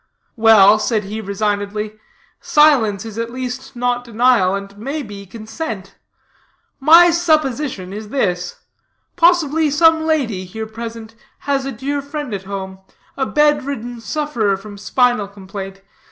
"Well," said he, resignedly, "silence is at least not denial, and may be consent. My supposition is this: possibly some lady, here present, has a dear friend at home, a bed ridden sufferer from spinal complaint.